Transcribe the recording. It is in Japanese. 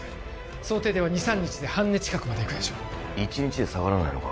想定では２３日で半値近くまでいくでしょう１日で下がらないのか？